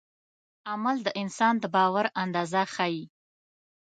عمل د انسان د باور اندازه ښيي.